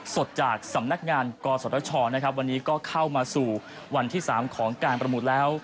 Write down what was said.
สดจากสำนักงานกศชนะครับวันนี้ก็เข้ามาสู่วันที่๓ของการประมูลแล้ว